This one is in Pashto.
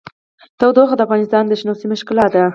تودوخه د افغانستان د شنو سیمو ښکلا ده.